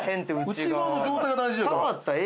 内側の状態が大事やから。